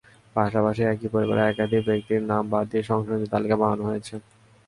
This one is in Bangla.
পাশাপাশি একই পরিবারের একাধিক ব্যক্তির নাম বাদ দিয়ে সংশোধনী তালিকা বানানো হয়েছে।